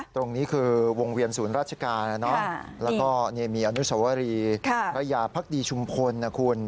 ตรงนี้คือวงเวียนศูนย์ราชการแล้วก็มีอนุสวรีพระยาพักดีชุมพลนะคุณ